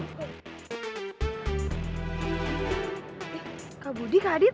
eh kak budi kak adit